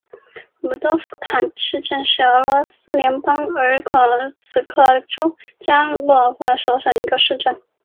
鲁多夫卡市镇是俄罗斯联邦伊尔库茨克州日加洛沃区所属的一个市镇。